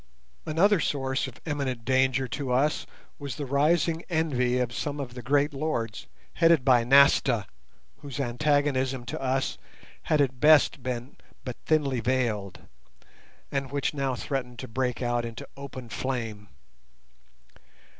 Another source of imminent danger to us was the rising envy of some of the great lords headed by Nasta, whose antagonism to us had at best been but thinly veiled, and which now threatened to break out into open flame.